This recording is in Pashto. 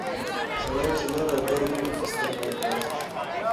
سړی چې لر او بر وګرځي سترګې یې خلاصې شي...